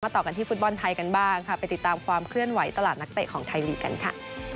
ต่อกันที่ฟุตบอลไทยกันบ้างค่ะไปติดตามความเคลื่อนไหวตลาดนักเตะของไทยลีกกันค่ะ